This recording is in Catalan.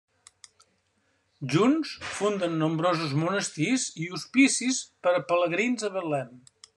Junts funden nombrosos monestirs i hospicis per a pelegrins a Betlem.